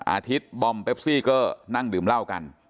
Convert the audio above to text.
อาทิตย์บอมเปปซี่ก็นั่งดื่มเหล้ากัน